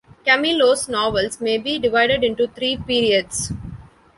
Camilo's novels may be divided into three periods.